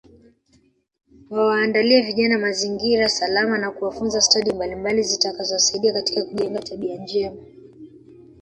Wawaandalie vijana mazingira salama na kuwafunza stadi mbalimbali zitakazowasaidia katika kujenga tabia njema